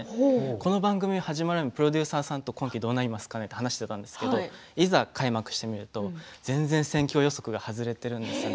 この番組が始まる前にもプロデューサーさんと今季どうなるか話していたんですけれどもいざ始まってみると戦況予測が外れているんですよね。